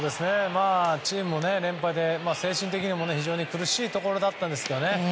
チームも連敗で精神的にも非常に苦しいところだったんですけど。